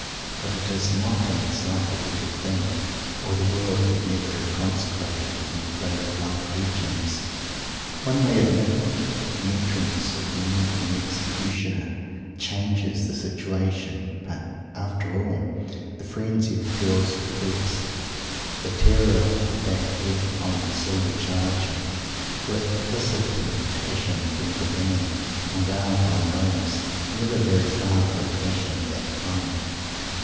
But it is not in itself a wicked thing; or the world would never have consecrated it in the great Love Legends. One may admit that the entrance of the Nubian Executioner changes the situation; but, after all, the frenzy of the girl's request the terror of that Head upon the silver charger were implicit in her passion from the beginning; and are, God knows! never very far from passion of that kind.